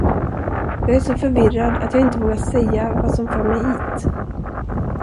Jag är så förvirrad, att jag inte vågar säga, vad som för mig hit.